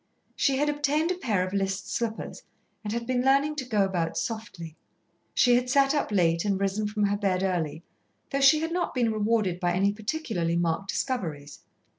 She had obtained a pair of list slippers and had been learning to go about softly. She had sat up late and risen from her bed early, though she had not been rewarded by any particularly marked discoveries.